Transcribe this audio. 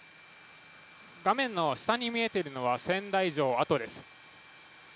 画面の下に見えているのは、仙台城跡です。